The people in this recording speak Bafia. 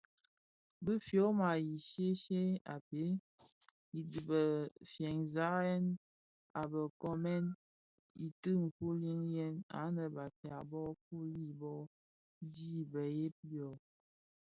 Bi fyoma fi shye shye a bhee i dhifyanzèn a be nkoomèn i ti fuli yi nnë Bafia bō fuyi, bo dhi beyen ooo?